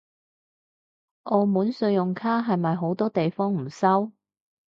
澳門信用卡係咪好多地方唔收？